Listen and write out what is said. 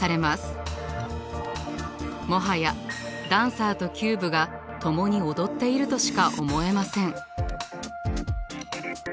もはやダンサーとキューブが共に踊っているとしか思えません。